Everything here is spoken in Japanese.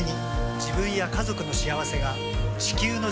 自分や家族の幸せが地球の幸せにつながっている。